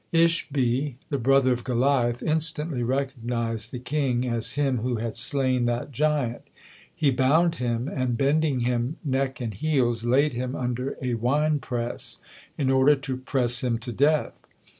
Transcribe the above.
Ishbi, the brother of Goliath, instantly recognised the king as him who had slain that giant. He bound him, and bending him neck and heels, laid him under a wine press in order to press him to death.